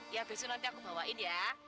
ya besok nanti aku bawain ya